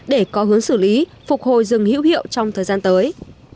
để có hướng xử lý phục hồi rừng hữu hiệu trong thời gian tới